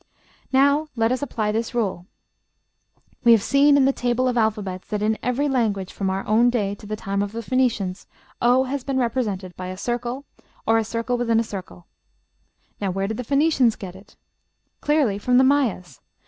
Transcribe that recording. Now let us apply this rule: We have seen in the table of alphabets that in every language, from our own day to the time of the Phoenicians, o has been represented by a circle or a circle within a circle. Now where did the Phoenicians get it? Clearly from the Mayas.